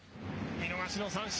見逃しの三振。